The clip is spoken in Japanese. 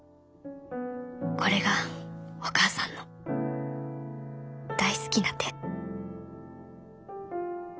これがお母さんの大好きな手